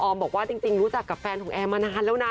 บอกว่าจริงรู้จักกับแฟนของแอร์มานานแล้วนะ